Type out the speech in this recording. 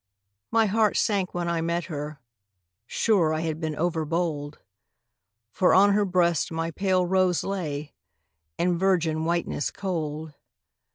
My heart sank when I met her: sure I had been overbold, For on her breast my pale rose lay In virgin whiteness cold.